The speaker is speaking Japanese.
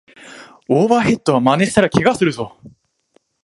オーバーヘッドはまねしたらケガするぞ